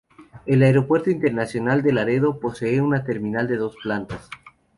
El Aeropuerto Internacional de Laredo posee una terminal de dos plantas.